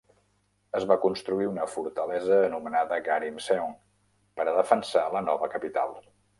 Es va construir una fortalesa anomenada Garimseong per defensar la nova capital.